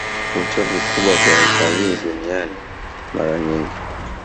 vivutio vikubwa vya utalii duniani Mara nyingi